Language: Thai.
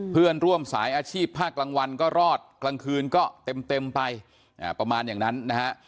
เพื่อนร่วมสายอาชีพภาคกลางวันก็รอดกลางคืนก็เต็มไปประมาณอย่างนั้นนะฮะ